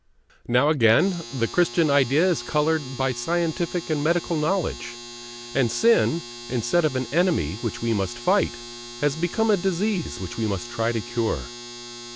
Now again the Christian idea is coloured by scientific and medical knowledge, and sin, instead of an enemy which we must fight, has become a disease which we must try to cure.